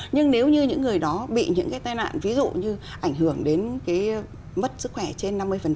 nhưng nếu như những người đó bị những tài nạn ví dụ như ảnh hưởng đến mất sức khỏe trên năm mươi